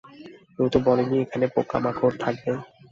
কেউ তো বলেনি এখানে পোকামাকড় থাকবে।